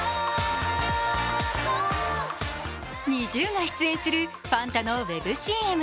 ＮｉｚｉＵが出演するファンタのウェブＣＭ。